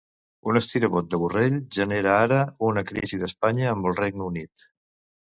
Un estirabot de Borrell genera ara una crisi d'Espanya amb el Regne Unit.